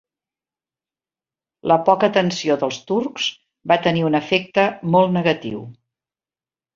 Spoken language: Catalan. La poca atenció dels turcs va tenir un efecte molt negatiu.